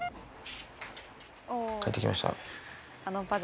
帰ってきました。